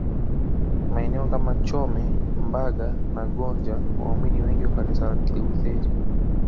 Maeneo kama Chome Mbaga na Gonja waumini wengi wa Kanisa la Kilutheri